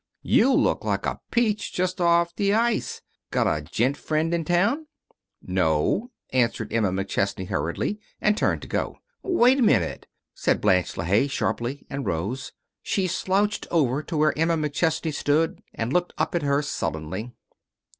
You look like a peach just off the ice. Got a gent friend in town?" "No," answered Emma McChesney hurriedly, and turned to go. "Wait a minute," said Blanche LeHaye, sharply, and rose. She slouched over to where Emma McChesney stood and looked up at her sullenly.